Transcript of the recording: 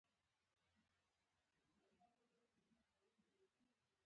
هغه راته وایي زموږ خیمه شهرک طلایي دی.